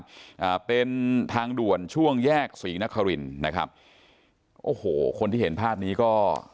อ่าเป็นทางด่วนช่วงแยกศรีนครินนะครับโอ้โหคนที่เห็นภาพนี้ก็